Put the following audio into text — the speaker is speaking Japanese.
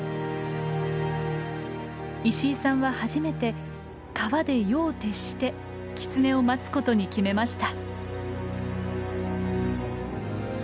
石井さんは初めて川で夜を徹してキツネを待つことに決めました。